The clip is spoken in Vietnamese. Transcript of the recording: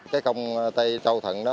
cái công tây châu thận đó